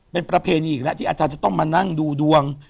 เป็นประเพณีอีกแล้วที่อาจารย์จะต้องมานั่งดูดวง